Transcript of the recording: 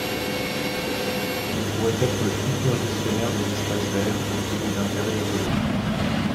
Il pourrait être le futur gestionnaire des espaces verts ou d'intérêt écologique.